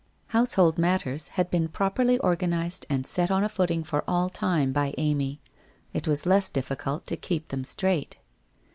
Household matters had been properly organized and set on a footing for all time by Amy ; it was less difficult to keep them straight.